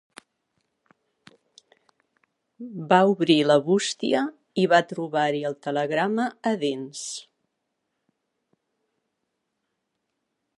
Va obrir la bústia i va trobar-hi el telegrama a dins.